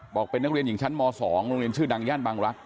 บอกเป็นนักเรียนหญิงชั้นม๒โรงเรียนชื่อดังย่านบางรักษ